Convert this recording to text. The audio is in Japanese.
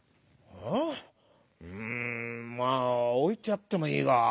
「うんまあおいてやってもいいが」。